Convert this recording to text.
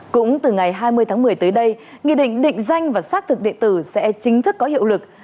cũng từ ngày hai mươi tháng một mươi tới đây nghị định định danh và sát thục định tử sẽ chính thức có hiệu lực